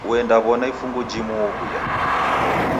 Uendaw'ona ifungu jimu owuya